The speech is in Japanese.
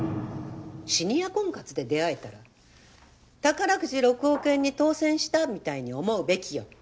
シニア婚活で出会えたら宝くじ６億円に当せんしたみたいに思うべきよ。